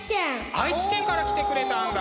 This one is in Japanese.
愛知県から来てくれたんだ。